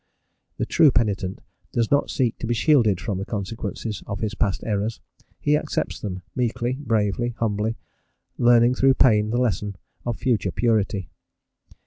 The true penitent does not seek to be shielded from the consequences of his past errors: he accepts them meekly, bravely, humbly, learning through pain the lesson of future purity.